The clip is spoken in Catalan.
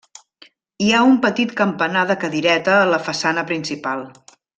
Hi ha un petit campanar de cadireta a la façana principal.